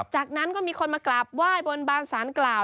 จากนั้นก็มีคนมากราบไหว้บนบานสารกล่าว